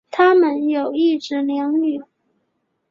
他们有一子两女。